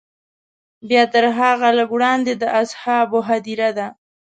بیا تر هغه لږ وړاندې د اصحابو هدیره ده.